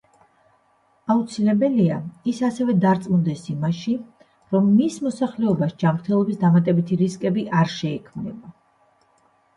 აუცილებელია, ის ასევე დარწმუნდეს იმაში, რომ მის მოსახლეობას ჯანმრთელობის დამატებითი რისკები არ შეექმნება.